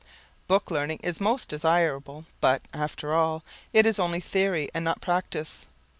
Book learning is most desirable, but, after all, it is only theory and not practice.